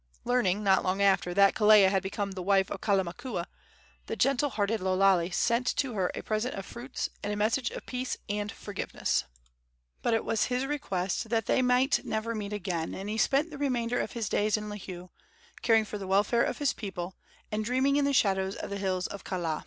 Learning, not long after, that Kelea had become the wife of Kalamakua, the gentle hearted Lo Lale sent to her a present of fruits and a message of peace and forgiveness; but it was his request that they might never meet again, and he spent the remainder of his days in Lihue, caring for the welfare of his people and dreaming in the shadows of the hills of Kaala.